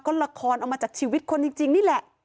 ก็ละครเอามาจากชีวิตคนจริงนี่แหละ